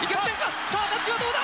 さあタッチはどうだ？